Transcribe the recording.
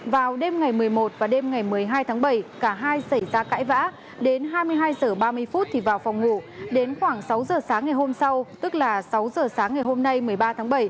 vào đêm ngày một mươi một và đêm ngày một mươi hai tháng bảy cả hai xảy ra cãi vã đến hai mươi hai h ba mươi thì vào phòng ngủ đến khoảng sáu giờ sáng ngày hôm sau tức là sáu giờ sáng ngày hôm nay một mươi ba tháng bảy